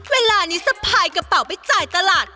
เวลานี้สะพายกระเป๋าไปจ่ายตลาด